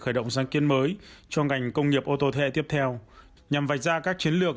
khởi động sáng kiên mới cho ngành công nghiệp ô tô thế hệ tiếp theo nhằm vạch ra các chiến lược